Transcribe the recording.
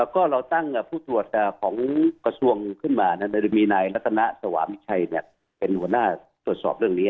ก็เราตั้งผู้ตรวจของกระทรวงขึ้นมาโดยมีนายลักษณะสวามิชัยเป็นหัวหน้าตรวจสอบเรื่องนี้